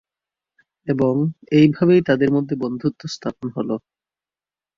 এবং এভাবেই তাদের মধ্যে বন্ধুত্ব স্থাপন হল।